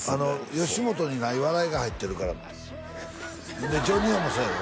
吉本にない笑いが入ってるからってほんでジョニ男もそうやろ？